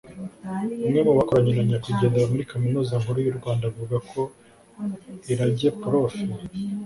umwe mu bakoranye na nyakwigendera muri Kaminuza Nkuru y’u Rwanda avuga ko irage Prof